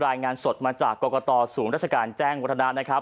รายงานสดมาจากโกฎตอศูนย์รัชการแจ้งวัฒนาสวัสดีครับ